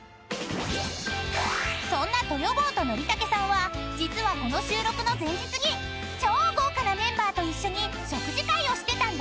［そんな豊坊と憲武さんは実はこの収録の前日に超豪華なメンバーと一緒に食事会をしてたんだって］